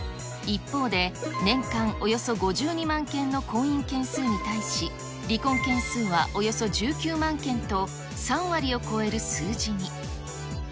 一方で、年間およそ５２万件の婚姻件数に対し、離婚件数はおよそ１９万件と、３割を超える数字に。